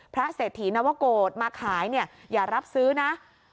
พระเศรษฐีนวโกฏมาขายอย่ารับซื้อนะ